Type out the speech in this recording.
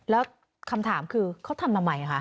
แล้วคำถามคือเขาทำทำไมคะ